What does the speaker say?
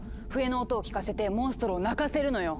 笛の音を聞かせてモンストロを鳴かせるのよ！